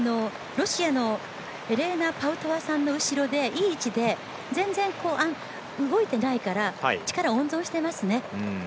ロシアのエレナ・パウトワさんの後ろでいい位置で全然、動いてないから力を温存していますね。